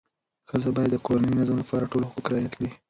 ښځه باید د کورني نظم لپاره ټول حقوق رعایت کړي.